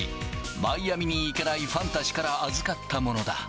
マイアミに行けないファンたちから預かったものだ。